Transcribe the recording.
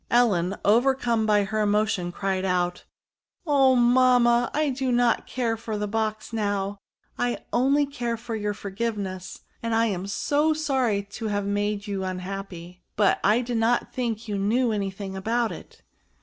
Ellen, overcome by her emotion, cried out, " Oh ! mamma, I do not care for the box now, I only care for your forgiveness, and am so sorry to have made you unhappy, but I did not think you knew any thing about it."